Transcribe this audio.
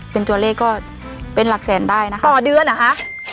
เป็นตัวเลขก็เป็นหลักแสนได้นะคะต่อเดือนเหรอคะ